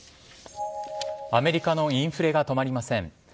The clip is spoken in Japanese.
アメリカのインフレが止まりません。